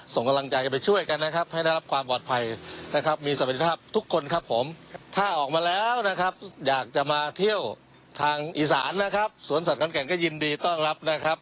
สวนสัตว์ขอนแก่นก็ยินดีต้อนรับนะครับ